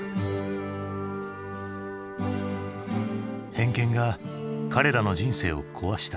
偏見が彼らの人生を壊した。